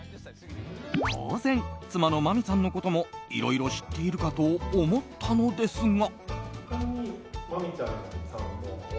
当然、妻のマミさんのこともいろいろ知っているかと思ったのですが。